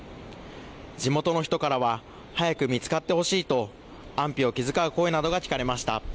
地元の人からは早く見つかってほしいと安否を気使う声などが聞かれました。